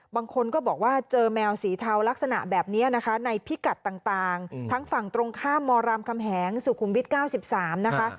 บางคนก็บอกว่าเจอแมวสีเทาลักษณะแบบนี้นะคะในพิกัดต่างทั้งฝั่งตรงข้ามมรามคำแหงสุขุมวิท๙๓นะคะ